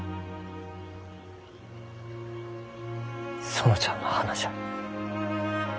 園ちゃんの花じゃ。